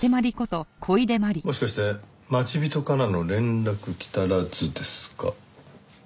もしかして待ち人からの連絡来たらずですか？